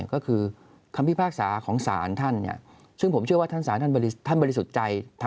ก็คือคำพิพากษาของศาลท่านซึ่งผมเชื่อว่าท่านสารท่านบริสุทธิ์ใจ